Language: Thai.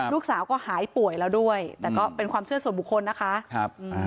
ลูกสาวก็หายป่วยแล้วด้วยแต่ก็เป็นความเชื่อส่วนบุคคลนะคะครับ